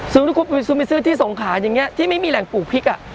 สมมุติว่าคุณซูมิซื้อที่ส่งขาอย่างเงี้ยที่ไม่มีแหล่งปลูกพริกอ่ะ